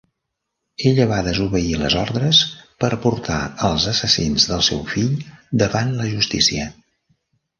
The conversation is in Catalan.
Ella va desobeir les ordres per portar els assassins del seu fill davant la justícia.